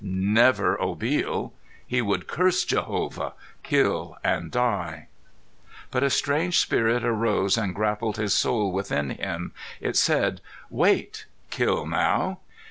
Never Obil. He would curse Jehovah, kill, and die. But a strange spirit arose and grappled his soul within him. It said, "Wait! Kill now?